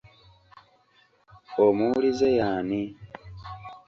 Omuwulize y'ani?